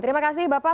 terima kasih bapak